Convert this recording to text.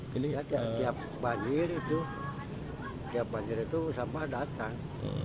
tiap banjir itu tiap banjir itu sampah datang